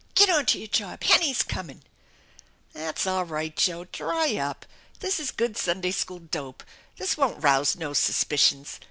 Get onto your job. Hennie's cominV " That's all right, Joe ! Dry up ! This is good Sunday School dope ! This won't rouse no suspicions.